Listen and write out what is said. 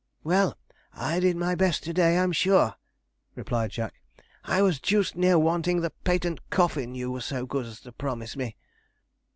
'Well, I did my best to day, I'm sure,' replied Jack. 'I was deuced near wanting the patent coffin you were so good as to promise me.'